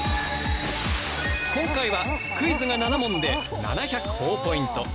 今回はクイズが７問で７００ほぉポイント。